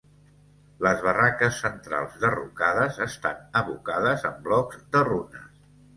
Les barraques centrals derrocades estan evocades amb blocs de runes.